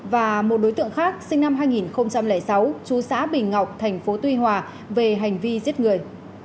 và một đối tượng khác sinh năm hai nghìn sáu chú xã bình ngọc thành phố tuy hòa về hành vi giết người